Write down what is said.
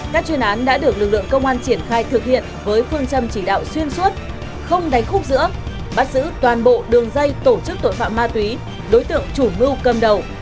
các chuyên án đã được lực lượng công an triển khai thực hiện với phương châm chỉ đạo xuyên suốt không đánh khúc giữa bắt giữ toàn bộ đường dây tổ chức tội phạm ma túy đối tượng chủ mưu cầm đầu